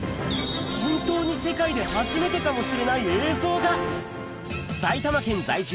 本当に世界で初めてかもしれない映像が埼玉県在住